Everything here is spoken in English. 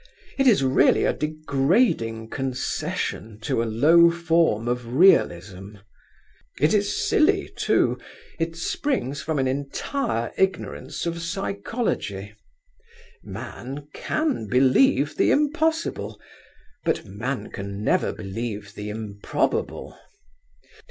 It is really a degrading concession to a low form of realism. It is silly, too. It springs from an entire ignorance of psychology. Man can believe the impossible, but man can never believe the improbable.